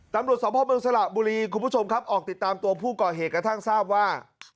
ตำรวจสมภาพเมืองสระบุรีคุณผู้ชมครับออกติดตามตัวผู้ก่อเหตุกระทั่งทราบว่า